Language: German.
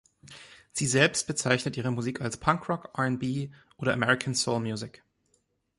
Sie selbst bezeichnet ihre Musik als Punk Rock R&B oder American Soul Music.